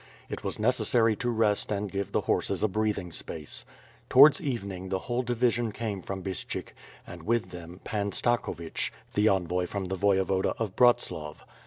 It was necessary to rest and give the horses a breathing space. Towards even ing, the whole division came from Bystshyk and, with them, Pan Stakhovich, the envoy from the Voyevoda of Bratslav.